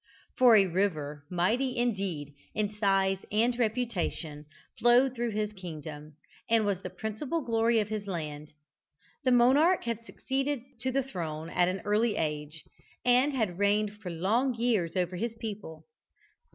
For a river, mighty, indeed, in size and reputation, flowed through his kingdom, and was the principal glory of his land. The monarch had succeeded to the throne at an early age, and had reigned for long years over his people.